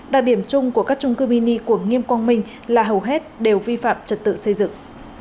đặc điểm chung của các trung cư mini của nghiêm quang minh là hầu hết đều vi phạm trật tự xây dựng